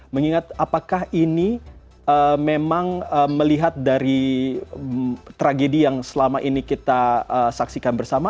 mengingat apakah ini memang melihat dari tragedi yang selama ini kita saksikan bersama